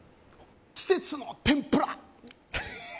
季節の天ぷら！